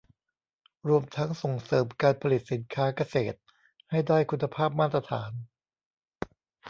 รวมทั้งส่งเสริมการผลิตสินค้าเกษตรให้ได้คุณภาพมาตรฐาน